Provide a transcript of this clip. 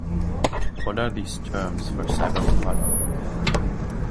What are these 'terms' for Cybermohalla?